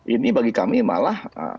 ini bagi kami malah